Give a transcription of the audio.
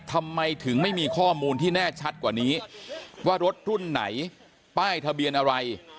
ทำไมถึงไม่มีข้อมูลที่แน่ชัดกว่านี้ว่ารถรุ่นไหนป้ายทะเบียนอะไร